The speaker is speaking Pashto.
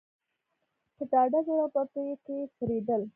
په ډاډه زړه به په کې څرېدل.